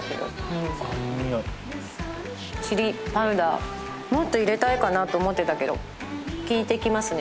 うんチリパウダーもっと入れたいかなと思ってたけどきいてきますね